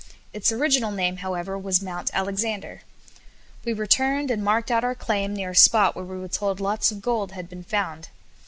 Its original name, however, was Mount Alexander. We returned, and marked out our claim near a spot where we were told lots of gold had been found.